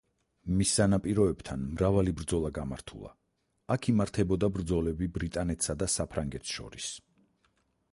მის სანაპიროებთან მრავალი ბრძოლა გამართულა, აქ იმართებოდა ბრძოლები ბრიტანეთსა და საფრანგეთს შორის.